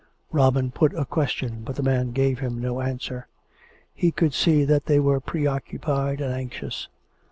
Robin put a question, but the men gave him no answer. He could see that they were preoccupied and anxious.